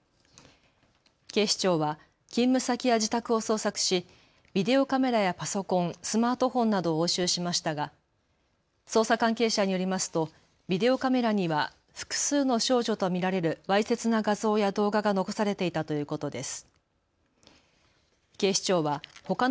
警視庁は勤務先や自宅を捜索しビデオカメラやパソコン、スマートフォンなどを押収しましたが捜査関係者によりますとビデオカメラには複数の少女と見られるわいせつな画像や動画が残されていたということです。